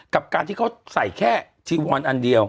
กับการที่เขาใส่แค่จีวอนอันเดียว